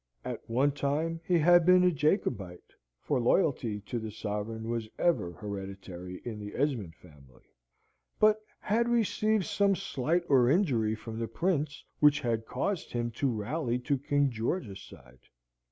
At one time he had been a Jacobite (for loyalty to the sovereign was ever hereditary in the Esmond family), but had received some slight or injury from the Prince, which had caused him to rally to King George's side.